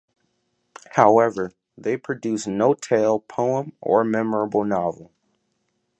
However, they produce no tale, poem or memorable novel.